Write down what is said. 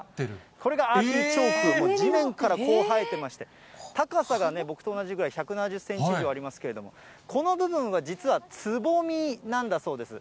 これがアーティチョーク、地面からこう生えてまして、高さが僕と同じくらい、１７０センチ以上ありますけれども、この部分が実はつぼみなんだそうです。